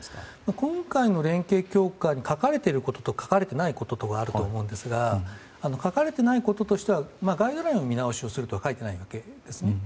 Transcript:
今回の連携強化には書かれていることと書かれていないことがあると思うんですが書かれていないこととしてはガイドラインの見直しをするとは書いてないんですね。